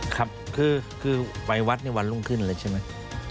ครับคือวัดลุงขึ้นเลยใช่ไหม